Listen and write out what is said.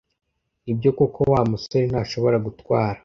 Nibyo koko Wa musore ntashobora gutwara